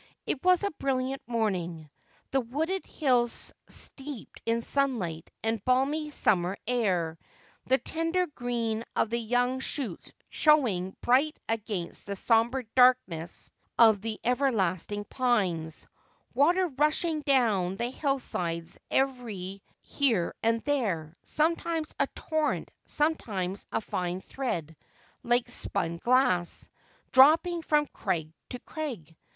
It was a brilliant morning, the wooded hills steeped in sunlight and balmy summer air; the tender green of the young shoots showing bright against the sombre darkness of the everlasting pines ; water rushing down the hillsides every here and there, sometimes a torrent, sometimes a fine thread like spun glass, dropping from crag to crag.